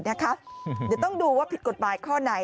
เดี๋ยวต้องดูว่าผิดกฎหมายข้อไหน